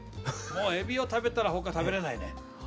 もう海老を食べたら他食べれないね。